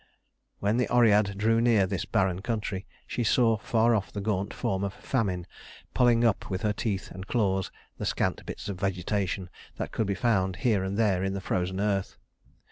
When the Oread drew near this barren country, she saw far off the gaunt form of Famine pulling up with her teeth and claws the scant bits of vegetation that could be found here and there in the frozen earth.